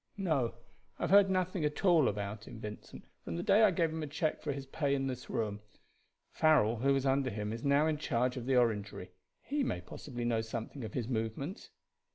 "No; I have heard nothing at all about him, Vincent, from the day I gave him a check for his pay in this room. Farrell, who was under him, is now in charge of the Orangery. He may possibly know something of his movements."